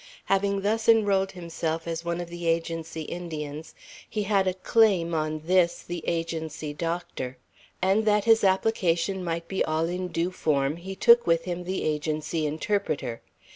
Having thus enrolled himself as one of the Agency Indians, he had a claim on this the Agency doctor. And that his application might be all in due form, he took with him the Agency interpreter.